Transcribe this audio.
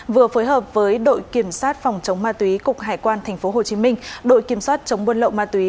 vừa phối hợp với đội kiểm soát phòng chống ma túy cục hải quan tp hcm đội kiểm soát chống buôn lậu ma túy